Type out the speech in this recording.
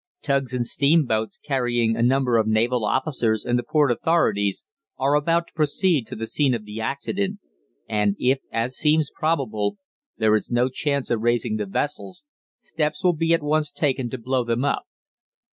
Tugs and steamboats carrying a number of naval officers and the port authorities are about to proceed to the scene of the accident, and if, as seems probable, there is no chance of raising the vessels, steps will be at once taken to blow them up.